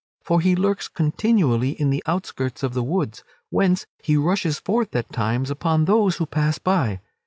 For he lurks continually in the outskirts of the woods, whence he rushes forth at times upon those who pass by.